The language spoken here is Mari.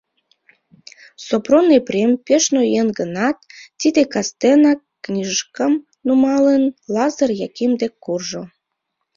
Сопром Епрем пеш ноен гынат, тиде кастенак, книжкам нумалын, Лазыр Яким дек куржо.